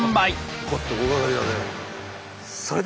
おっと大がかりだね。